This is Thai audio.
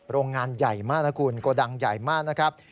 โรงงานใหญ่มากนะคุณโกดังใหญ่มากนะครับ